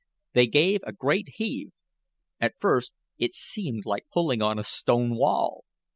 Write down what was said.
They gave a great heave. At first it seemed like pulling on a stone wall.